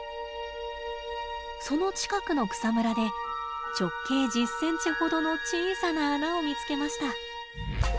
その近くの草むらで直径１０センチほどの小さな穴を見つけました。